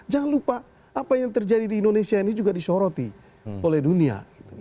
jangan lupa apa yang terjadi di indonesia ini juga disoroti oleh dunia